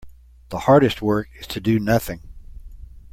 The hardest work is to do nothing.